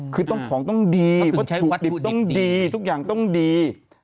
คือต้องของต้องดีวัตถุดิบต้องดีทุกอย่างต้องดี